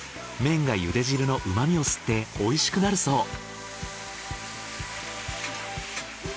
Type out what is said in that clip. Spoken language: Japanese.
麺が茹で汁の旨みを吸って美味しくなるそう。